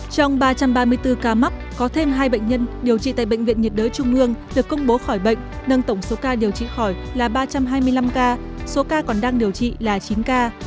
trong ba trăm ba mươi bốn ca mắc có thêm hai bệnh nhân điều trị tại bệnh viện nhiệt đới trung ương được công bố khỏi bệnh nâng tổng số ca điều trị khỏi là ba trăm hai mươi năm ca số ca còn đang điều trị là chín ca